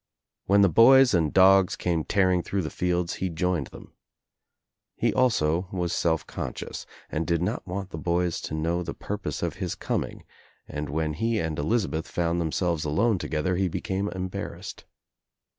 When the boys and dogs came tearing through the fields he joined them. He also was self conscious and did not want the boys to know the purpose of his coming and when he and Elizabeth found themselves alone together he became embarrassed.